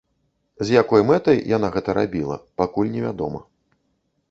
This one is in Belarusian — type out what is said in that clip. З якой мэтай яна гэта рабіла, пакуль невядома.